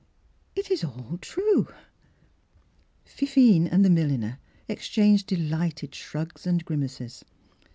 '* It is all true." Fifine and the milliner ex changed delighted shrugs and grimaces.